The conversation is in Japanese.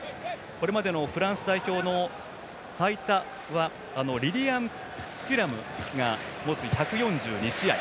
これまでのフランス代表の最多はリリアン・テュラムが持つ１４２試合。